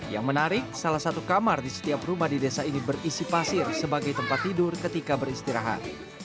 yang menarik salah satu kamar di setiap rumah di desa ini berisi pasir sebagai tempat tidur ketika beristirahat